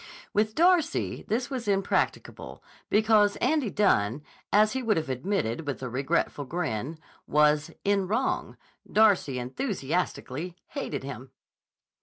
With Darcy this was impracticable because Andy Dunne, as he would have admitted with a regretful grin, was "in wrong." Darcy enthusiastically hated him.